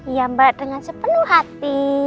iya mbak dengan sepenuh hati